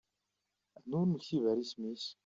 Anwa ur nektib ara isem-is?